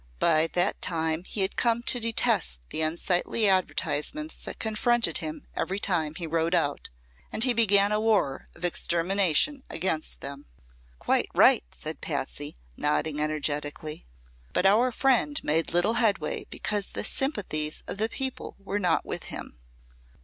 By that time he had come to detest the unsightly advertisements that confronted him every time he rode out, and he began a war of extermination against them." "Quite right," said Patsy, nodding energetically. "But our friend made little headway because the sympathies of the people were not with him."